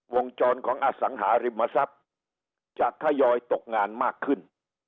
วงจรของอสังหาริมทรัพย์จะทยอยตกงานมากขึ้น